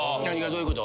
どういうこと？